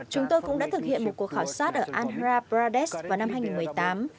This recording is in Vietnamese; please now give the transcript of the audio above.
chúng tôi cũng đã thực hiện một cuộc khảo sát ở andhra pradesh vào năm hai nghìn một mươi tám